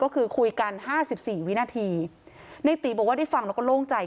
ก็คือคุยกันห้าสิบสี่วินาทีในตีบอกว่าได้ฟังแล้วก็โล่งใจ